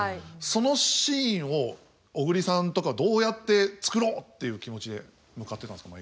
そのシーンを小栗さんとかはどうやって作ろうっていう気持ちで向かってたんですか？